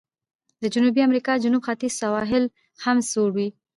د جنوبي امریکا جنوب ختیځ سواحل هم سړ وي.